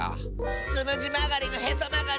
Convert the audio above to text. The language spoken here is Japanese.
つむじまがりのへそまがり！